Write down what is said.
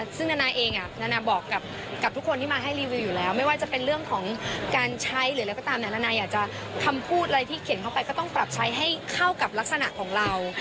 ซึ่งนานาเองนานาบอกกับทุกคนที่มาให้รีวิวอยู่แล้วไม่ว่าจะเป็นเรื่องของการใช้หรืออะไรก็ตามนานาอยากจะคำพูดอะไรที่เขียนเข้าไปก็ต้องปรับใช้ให้เข้ากับลักษณะของเรา